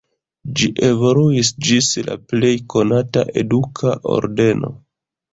Ĝi evoluis ĝis la plej konata eduka ordeno.